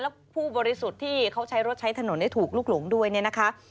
แล้วผู้บริสุทธิ์ที่เขาใช้รถใช้ถนนได้ถูกลุกหลงด้วยเนี่ยนะคะ